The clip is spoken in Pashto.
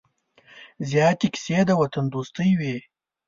زیاتې کیسې د وطن دوستۍ وې.